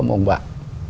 một ông bạn